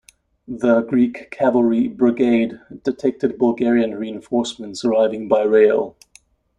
The Greek Cavalry brigade detected Bulgarian reinforcements arriving by rail.